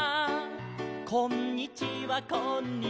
「こんにちはこんにちは」